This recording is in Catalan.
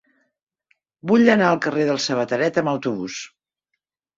Vull anar al carrer del Sabateret amb autobús.